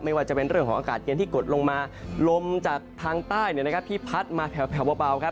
ว่าจะเป็นเรื่องของอากาศเย็นที่กดลงมาลมจากทางใต้ที่พัดมาแถวเบาครับ